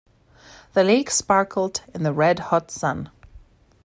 The lake sparkled in the red hot sun.